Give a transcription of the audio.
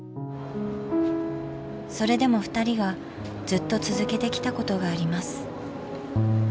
それでもふたりがずっと続けてきたことがあります。